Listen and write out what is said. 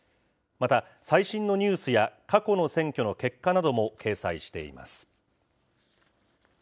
また、最新のニュースや過去の選挙の結果なども掲載しています。